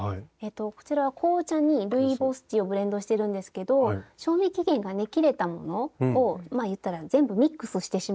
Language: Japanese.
こちらは紅茶にルイボスティーをブレンドしてるんですけど賞味期限がね切れたものをまあ言ったら全部ミックスしてしまって。